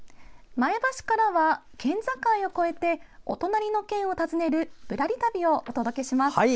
前橋からは県境を越えて、お隣の県を訪ねるぶらり旅をお届けします。